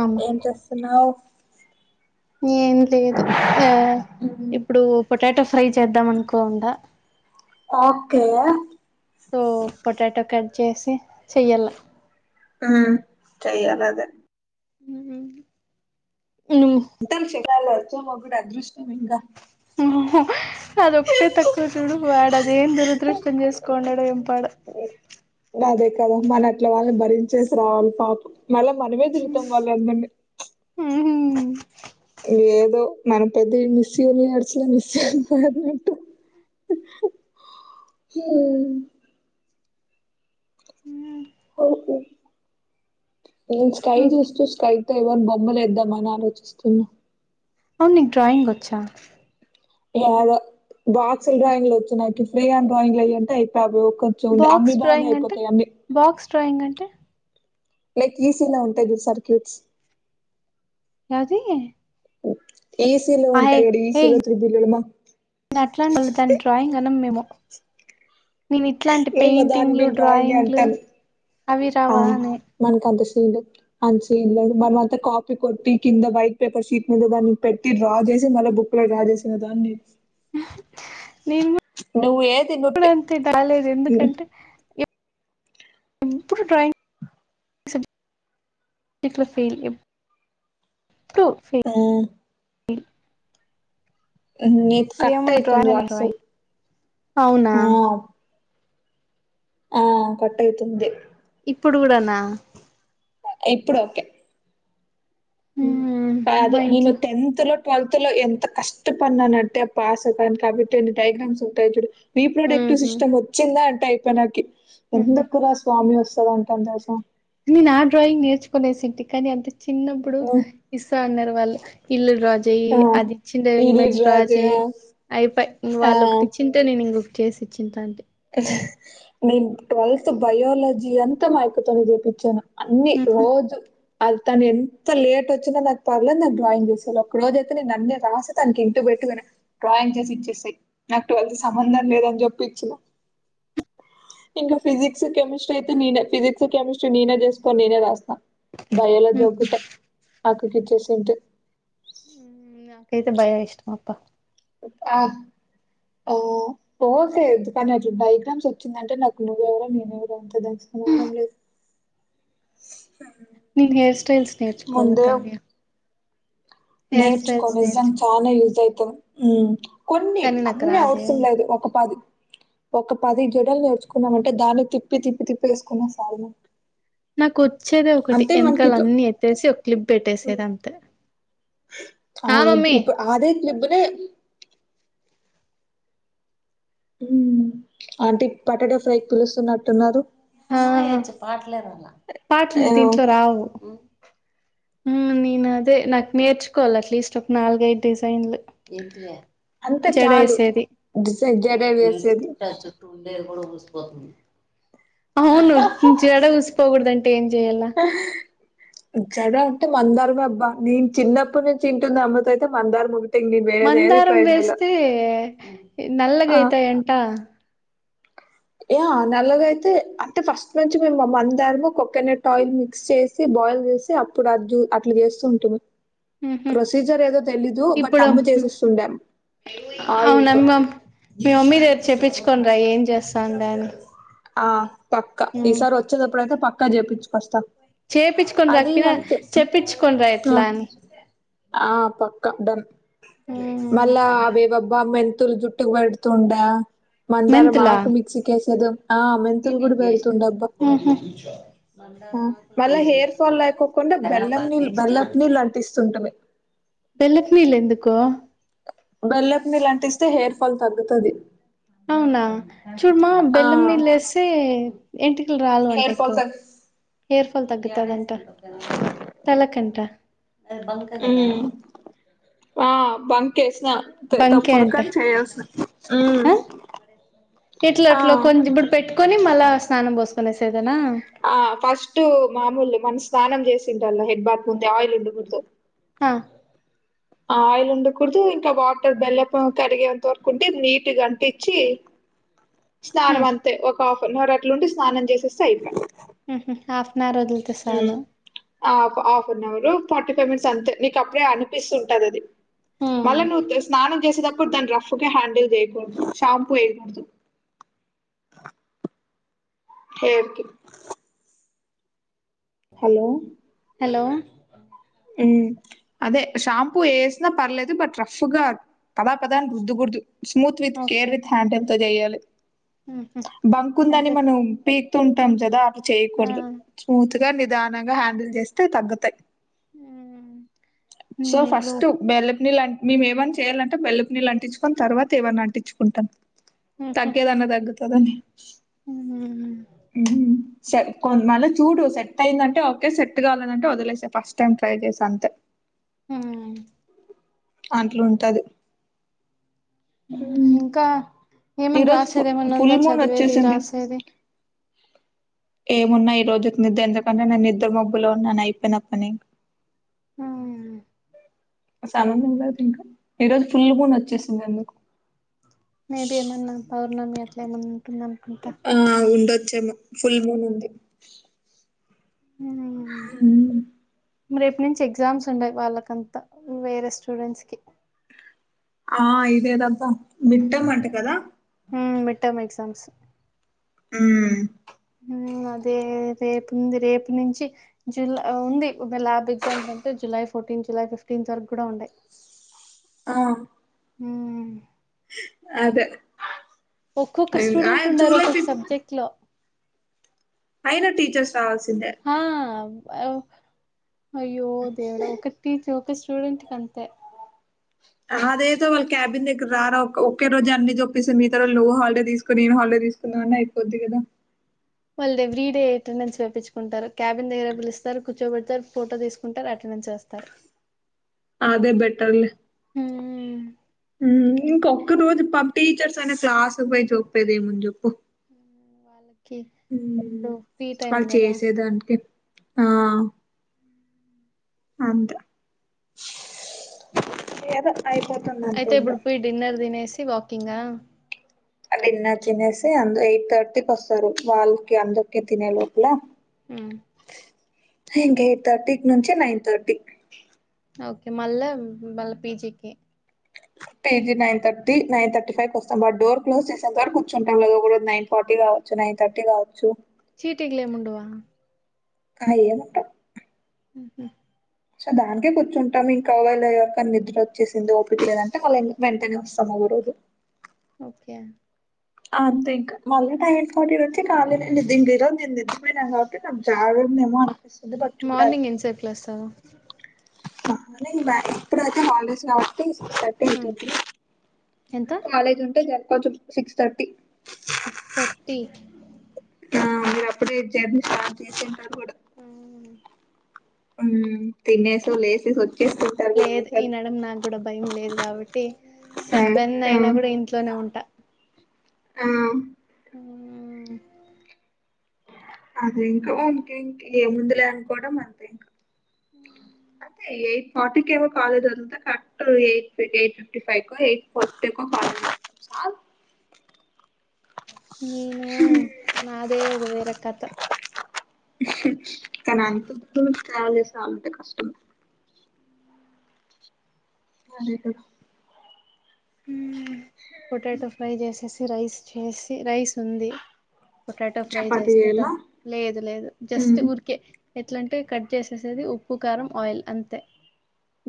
ఆమా ఏం చేస్తున్నావ్ ఏం లేదు ఆ ఇప్పుడు పొటాటో ఫ్రై చేద్దాం అనుకొండ ఒకే సో పొటాటో కట్ చేసి చెయ్యాల ఆ చెయాల అదెే హు కాదు వచ్చే మొగుడు అదృష్టం ఇంక ఆ ఆ అదొక్కటే తక్కువ చూడు వడఅదేం దురదృష్టం చేసుకున్నాడో ఏంపాడో అదే కద మన అట్ల వాళ్ళని భరించేసి రావాల పాపం మళ్ళా మనమే తిడుతాం వాళ్ళ అందరిని. ఏదో మనం పెద్ద మిస్ యూనివర్స్ మిస్ అయినట్టు. ఆహ్ ఆహ్ నేను స్కాయి ఇం చుస్తు స్కాయ్. తెలవని బొమ్మలేద్దాంమని ఆలోచిస్తున్నా. అవును నీకు డ్రాయింగ్ వచ్చా. ఆహ్ అదే ఏదో బాక్స్ డ్రాయింగ్లు వచ్చినకి ఫ్రీ హండ్ డ్రాయింగ్ లు ఎయ్యి అంటే అయిప బోకు. చుండే అమ్మి బాక్స్ బాగనే డ్రాయింగ్ అంటే అయిపోతాయి అమ్మి. బాక్స్ డ్రాయింగ్ అంటే. లైక్ ఈసీలా ఉంటాయి చూడు సర్క్యూట్స్. యాది. ఈసీలో ఉంటాయి చూడు ఈసీలో త్రీబుల్ వేయమా. న అట్లాంని మరి దాన్ని డ్రాయింగ్ అనం మేము. నేను ఇట్లాంటి మేము దాన్ని పెయింటింగ్లు నేను డ్రాయింగే డ్రాయింగ్లు అంటాను. అవి ఆ! రావా అనే. మనకంత సీన్ లేదు. అంత సీన్ లేదు మనం అంత కాపీ కొట్టి కింద వైట్ పేపర్షీట్ మీద దానిని పెట్. ట్టి డ్రా జేశి మళ్ళా బుక్ లో డ్రా జేశిన దాన్ని. అహ్ నేను నువ్వు ఏది నువ్వు టె కూడా అంతే దాలేద్ హ్మ్. ఎందుకంటే ఎప్ ఎప్పుడు డ్రాయింగ్ సం టిట్ల ఫెయిల్ ఎప్ డు ఫెయిల్. అవునా. ఆహ్ నేను కరెక్ట్ ఏమో గా డ్రాయింగ్ చెప్తున్నా అనే రాస్తావ్ డ్రాయింగ్ అవునా ఆహ్. ఆహ్ కట్ అయితుంది. ఇప్పుడు గూడానా. ఇప్పుడోకే. ఉమ్ మ్మ్ ఆహ్ అదే మా నేను ఇంట్లో టెన్త్ లో. ట్వెల్త్ లో ఎంత కష్టపడినానట్టే పాస్ అవ్వడానికి కాబట్టి ఎన్ని డైగ్రామ్స్ ఉంటాయి జూడు. మ్మ్ రీప్రొటెక్టివ్ సిస్టమ్ వొచ్చిందా అంటే అయిపోయి నాకి మ్మ్ ఎందుకు రా స్వామి వస్తుంద అంట అంత తెలుస. నేనా డ్రాయింగ్ నేర్చుకునేసింటి కానీ అంత చిన్నప్పుడు. హ్మ్. ఇస్తా అన్నారు వాళ్ళు ఇల్లు డ్రాజు. తేయ్ ఆ! అదిచ్చిందే ఈల్లు ఇమేజ్ డ్రా జేయ చెయి అయిపయ్ ఇంగ్ ఆ! ఇల్లు వాల్లోకటి రాజు ఇచ్చిన్. తే నేను బుక్ చేసి ఇచ్చిన్టాంటి. నేను ట్వెల్త్ బయాలజీ అంతా మా అక్క తోనే చేపించాను. అన్ని రోజు. అది తను ఎంత లేట్ ఒచ్చినా నాకు పర్లేదు నాకు డ్రాయింగ్ చేసియాలి ఒక రోజ అయితే నేను అన్ని రాసి తనకి ఇంటి బెట్టుకుని. డ్రాయింగ్ చేసి ఇచ్చేసేయ్ నాకు ఎటువంటి సంబంధం లేదని జెప్పిచ్చిన. ఇంకా ఫిజిక్స్ కెమిస్ట్రీ అయితే నేనే ఫిజిక్స్ కెమిస్ట్రీ నేనే జేసుకోని నేనే రాస్తా. బయాలజీ ఒకటే అక్కకిచ్చేసుంటి. ఉమ్ నాకైతే భలే ఇష్టమబ్బా. ఆహ్ ఓహో ఓకే కానీ అట్లా డైగ్రామ్స్ ఒచ్చిందంటే నాకు నువ్వెవరో నేను ఎవరో అంతే దానికి సంబంధం లేదు. నేను హేర్ స్టైల్స్ నేర్చుకోవాలి ముందే కావ్య. హెయిర్ నేర్చుకో స్టైల్స్ విజన్ట్. నేర్చుకోవాలి బానే యూజ్ అయితది ఉమ్ కొన్ని కానీ నాకు అన్ని రాదే అవసరం లేదు ఒక పది. ఒక పది జడలు నేర్చుకున్నామంటే దాన్ని తిప్పి తిప్పి తిప్పి ఏసుకున్న సాల్నా. నాకొచ్చేదె ఒకటి ఎనకాల మనకిట్లా అన్ని ఎత్తేసి ఒక్ క్లిప్ పెట్టేసేది అంతే ఆ ఓకే మమ్మీ ఇప్పు అదే క్లిబ్బులే ఆంటీ పటాటా ఫ్రై పిలుస్తున్నట్టున్నారు ఆ పాట్లు ఆహ్, దీంట్లో రావు ఉన్ అదే నాక్ నేర్చుకోల్ల అట్లీస్ట్ ఒక నాలుగైదు డిజైన్లు అంతే జడ చాలు. యేసేది డిజై జడ వేసేది. అవును జడ ఊసిపోకోడదం ఏం జేయల్ల జడ అంటే మందారమే అబ్బా నేన్ చిన్నప్పుడు నుంచి ఇంటున్న అమ్మతో అయితే మందార మో మందారం వేస్తే ఇ ఆ! నల్లగాయితయాంట యా నల్లగయితే అంటే ఫస్ట్ నుంచి మేము మందారము కోకోనట్ ఆయిల్ మిక్స్ చేస్ సి బాయిల్ చేసి అప్పుడ ఆ జు అట్లా చేస్తుంటిమి ఉహు ప్రొసీజర్ ఏదో తెలీదు బట్ ఇప్పుడు అమ్ము చేసిస్తుండే ఆయిల్తో అవునమ్మ మీ అమ్మీ రేప్ చెప్పిచుకొనిరా ఏం చేస్తాందని ఆ పక్కా ఈసారొచ్చేటప్పుడైతే పక్కా జెపిచ్చుకోస్తా చెపిచ్చుకొని రాక్ పినా చెప్పిచ్చుకొనిరా ఆ! ఎట్లా అని ఆ పక్కా డన్ మ్మ్ మళ్ళా అవి వే బ్బా మెంతుల్ జుట్టుక్ బడ్ కుండా మెంతులా మందారమాకు మిక్సి కేసేదో ఆ మెంతులు గూడ్ బెడుతుండబ్బా ఊహూ అ మళ్ళా హెయిర్ ఫాల్ లేకొ కుండా బెల్లం నీళ్లు బెల్లపు నీళ్ళు అంటిస్తు ఉంటది బెల్లపు నీళ్ళు ఎందుకో బెల్లపు నీళ్ళు అంటిస్తే హెయిర్ ఫాల్ తగ్గుతది అవునా చూడుమా ఆ బెల్లం నీళ్ళు ఎస్తే ఎంట్రీకులు రాలవంట హెయిర్ ఫాల్ ఎక్కువ తగ్ హెయిర్ ఫాల్ తగ్గుతాదంట తలకంట ఉమ్ ఆ బంకేష్నా త బంకే తప్పుదు అంట కాని చేయాల్సి ఉమ్ ఆ ఇట్లా ఆ అట్లా కొంచెం ఇప్పుడు పెట్టుకొని మళ్ళా స్నానం పోసుకునే ఏసెదేనా ఆ ఫస్ట్ మామూలు మన స్నానం చేసింటల్లే హెడ్ బాత్ ముందే ఆయిల్ ఉండకూడదు ఆ ఆయిల్ ఉండకూడదు ఇంకా వాటర్ బెల్లం కరిగేంత వరకు ఉంటే నీట్ ఇగ అంటిచ్చి మ్మ్ స్నానం అంతే ఒక కొన్నరుట్లు ఉండి స్నానం చేసేస్తే అయిపాయే హా హా హాఫ్ ఆన్ అవర్ వదిలి హు half half an hour forty five minutes అంతే నీకు అప్పుడే అనిపిస్తు ఉంటది అది మ్మ్ మళ్ళ నువ్వు స్నానం చేసేటప్పుడు దాన్ని రఫ్గా హ్యాండిల్ చేయకూడదు షాంపూ ఏయకూడదు హెయిర్ కి హలో హలో ఉమ్ అదే షాంపూ ఏసినా పర్లేదు బట్ రఫ్గా కదా పదా రుద్ద కూడదు smooth with care okay with handle తో చేయాలి ఊహూ బంక్ ఉందని అయితే మనం పీకుతూ ఉంటాం కదా అట్లా ఆ చేయకూడదు స్మూత్ గా నిదానంగా హ్యాండిల్ చేస్తే తగ్గుతయి సో నేను ఇప్పుడు ఫస్ట్ బెల్లపు నీళ్లు మేము ఏమన్నా చేయాలంటే బెల్లపు నీళ్ళు అంటించుకొని తర్వాత ఏమన్న అంటించుకుంటాం తగ్గేదన్న తగ్గు కాదనే ఉమ్ చే మళ్ళీ చూడు సెట్ అయిందంటే ఓకే సెట్ కాలేదంటే వదిలేసేయి ఫస్ట్ టైం ట్రై చేస అంతే హ అట్లుంటది హ్మ్. ఇంకా ఏమన్నా ఈరోజు ఫు రాసేది ఏమన్నా ఫుల్ ఉందా మూన్ చదివేది వచ్చేసింది. రాసేది ఏమున్నా ఈ రోజుకి నిద్ద ఎందుకంటే నేను నిద్ర మబ్బులో ఉన్నాను అయిపోయిన పని సన్ కూడా లేదు ఇంకా ఈ రోజు ఫుల్ మూన్ వచ్చేసింది ఎందుకు మేబి ఏమన్నా పౌర్ణమి అట్లా ఏమన్నా ఉంటుంది అనుకుంటా ఆ ఉండొచ్చేమో ఫుల్ మూన్ ఉంది ఉ హ రేపుటి నుంచి ఎగ్జామ్స్ ఉండయి వాళ్ళకంతా వేరే స్టూడెంట్స్ కి ఆ ఇదేదంతా మిడ్ టర్మ్ అంట కదా మిడ్ టర్మ్ ఎగ్జామ్స్ ఆ అదే రేపుంది రేపు నుంచి జులై ఉంది ల్యాబ్ ఎగ్జామ్స్ అంటే జులై ఫోర్టీన్త్ జూలై ఫిఫ్టీన్త్ వరకు కూడా ఉంటాయి ఆ ఉమ్ అదే ఒక్కొక్క ఇంగ ఆ స్టూడెంట్ ఉండరు జూలై ఒక్కొక్క ఫిఫ్త్ సబ్జెక్ట్ లో అయినా టీచర్స్ రావాల్సిందే ఆ అయ్యో దేవుడా ఒక టీచర్ ఒక స్టూడెంట్ కి అంతే అదేదో వాళ్ళ క్యాబిన్ దగ్గర రారా ఒకే రోజు అన్ని చెప్పేస్తా మిగతా రోజులు నువ్వు హాలిడే తీసుకో నేను హాలిడే తీసుకో నాన్న అయిపోద్ది కదా వాళ్ళు ఎవ్రీడే అటెండెన్స్ వెప్పించుకుంటారు క్యాబిన్ దగ్గర పిలుస్తారు కూర్చోబడతారు ఫోటో తీసు కొంటరు అటెండెన్స్ వేస్తరు అదే బెటర్ లే హ ఇంకొక్క రోజు టీచర్స్ అనే క్లాస్కు పోయి చూప్పేది ఏముంది చెప్పు ఉమ్ వాళ్ళ ఉమ్ వాళ్ళు కదా చేసేదానికి ఆ అంతే ఏదో అయిపోతుంది అంతే అయితే ఇంకా ఇప్పుడు పోయి డిన్నర్ తినేసి వాకింగ్ ఆ డిన్నర్ తినేసి అందు ఎయిట్ థర్టీకి వస్తారు వాళ్ళకి అందకే తినే లోపల ఆ ఇంక ఎయిట్థర్టీకి నుంచి నైన్ తర్టీ ఓకే మళ్ళా మళ్ళ పిజికి PG nine thirty nine thirty five వస్తాం వాడు డోర్ క్లోజ్ చేసేంత వరకు కూర్చుంటాం లేదో కూడా నైన్ ఫార్టీ కావ చ్చు నైన్ థర్టీ కావచ్చు చీటింగ్ లేము ఉండవా ఏమ్ ఉంటాయి ఉహు సో దాకే కూర్చుంటాం ఇంకావేళ ఎవరికనా నిద్ర వచ్చేసింది ఓపిటీ లేద అంటే వాళ్ళ వెంటనే వస్తాం ఒకఓ రోజు ఒకే అంతే ఇంకా మళ్ళీ టైం ఫట వచ్చి ఖాీ న దంనికిలో నేను నింపోయిను కాబట్టి నాకు జాగందేమో చూడ [unintelligible] [unintelligible] [unintelligible] ఎయి థర్టీ ఎంత కాలేజ్ ఉంటే జరుకోవచ్చు సిక్స్ థర్టీ సిక్స్ థర్టీ ఆ మీరు అప్పుడే జర్నీ స్టార్ట్ చేసింటారు కూడ హ తినేసు లేసిస్ వచ్చే [unintelligible] లేదు ఈనడం నాకు కూడ భయం లేదు కాబట్టి సెవెన్ అయినా ఉమ్, కూడా ఇంట్లోనే ఉంటా ఆ ఆ అదే ఇంకా ఇంక ఇంక ఏముందులే అనుకోవడం అంతే ఇంకా ఉ అదతే ఎయిట్ ఫార్టీకి కాలేజ్ అదంతా correct eight eight fifty five eight forty college స నేను నా దేవుడు వేరే కథ కానీ అంత ట్రావెల్ [unintelligible] కష్టం అ పొటాటో ఫ్రై చేసేసి రైస్ చేసి రైస్ ఉంది పొటాటో ఫ్రై చపాతి చేస్తేద చేయాలా లేదు లేదు జస్ట్ హ్మ్ ఉఊరికే ఎట్లంటే కట్ చేసేసేది ఉప్పు కారం ఆయిల్ అంతే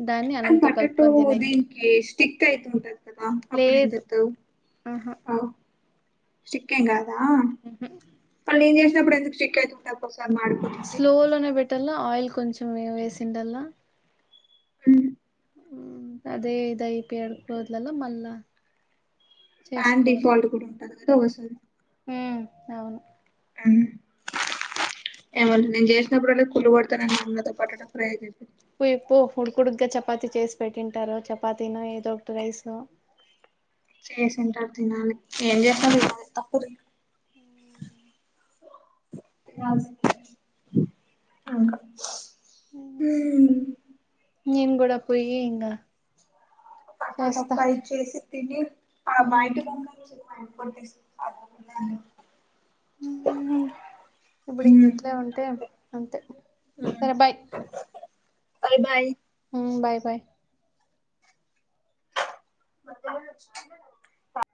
దాన్ని అ అనంతో మటాటో కలుపుకొని తినేకి దీినకి స్టిక్ అయితు ఉంటయి కదా అప్పుడు ఏం లేదు చేస్తావ్ ఆహా ఆ స్టిక్ అయినాద ఉహు చేసినప్పుడు ఎందుకు [unintelligible] స్లో లోనే పెట్టల్ల ఆయిల్ కొంచెం వేసిండల్ల ఫ అదే [unintelligible] ప్యాన్ డిఫాల్ట్ కూడా ఉంటది కదా ఒకసారి హు అవును [unintelligible] ప్పుడు కులు పడతా అన్నద పటా ఫ్రై చేస ఇప్పు ఇప్పు ఉడుకుడుగగా చపాతి చేసి పెట్టింటారు చపాతను ఏదో ఒకటి రైసో చేసింటారు తినాలి ఏంచేస్తాది [unintelligible] హు నను కూడ పోయి ఇంగ చేస్తా [unintelligible] అ ఇప్పుడు ఇంక ఇట్లే ఉంటే అంతే. అంతే హ్మ్. సరే బాయ్ [unintelligible] బాయ్ హ్మ్ బై బాయ్ మ